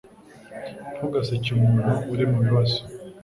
Ntugaseke umuntu uri mubibazo.